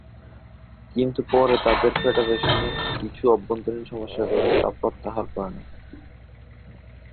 কিন্তু পরে তাদের ফেডারেশনে কিছু অভ্যন্তরীণ সমস্যার কারণে তা প্রত্যাহার করে নেয়।